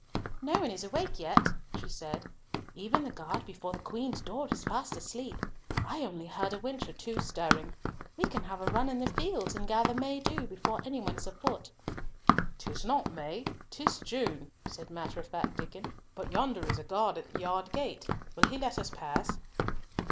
"No one is awake yet," she said. "Even the guard before the Queen's door is fast asleep. I only heard a wench or two stirring. We can have a run in the fields and gather May dew before any one is afoot." "'Tis not May, 'tis June," said matter of fact Diccon. "But yonder is a guard at the yard gate; will he let us past?"